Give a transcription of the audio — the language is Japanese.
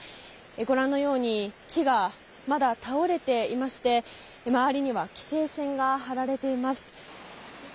ご覧のように木がまだ倒れていまして周りには規制線が張られています。